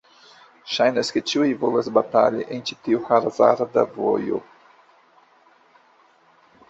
Ŝajnas ke ĉiuj volas batali en ĉi tiu hazarda vojo.